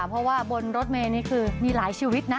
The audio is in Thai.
เพราะว่าบนรถเมย์นี่คือมีหลายชีวิตนะ